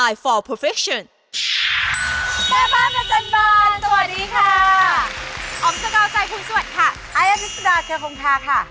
อายะพิษดาเชียวของค่าค่ะ